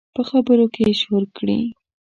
په خبرو کې یې شور کړي